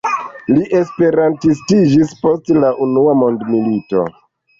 Li esperantistiĝis post la unua mondmilito.